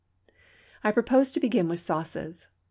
I propose to begin with sauces.